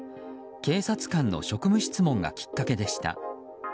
警察官の職務質問がきっかけでした。